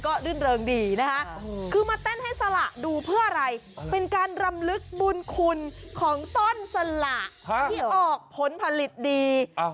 ก็ดว่าดูเพื่ออะไรเป็นการรำลึกบุญคุณของต้นสระฮะที่ออกผลผลิตดีเอ้า